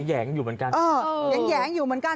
คือก็แหงอยู่เหมือนกัน